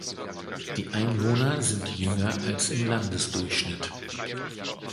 Die Einwohner sind jünger als im Landesdurchschnitt.